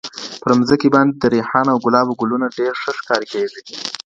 پر مځکي باندې د ریحان او ګلابو ګلونه ډېر ښه ښکاره کېږي.